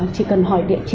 chị cần hỏi địa chỉ